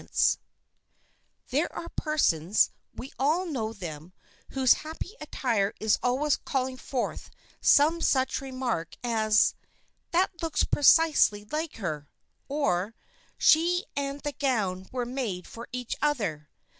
[Sidenote: THE GOWN AND ITS WEARER] There are persons,—we all know them,—whose happy attire is always calling forth some such remark as,—"That looks precisely like her," or "She and the gown were made for each other."